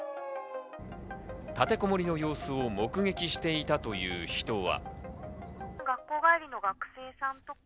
立てこもりの様子を目撃していたという人は。